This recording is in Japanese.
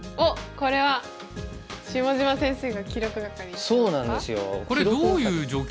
これは下島先生が記録係なんですか？